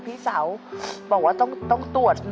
พี่สาวบอกว่าต้องตรวจ